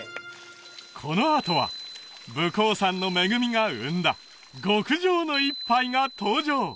このあとは武甲山の恵みが生んだ極上の一杯が登場！